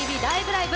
ライブ！」